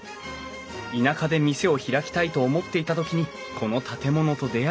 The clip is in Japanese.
田舎で店を開きたいと思っていた時にこの建物と出会い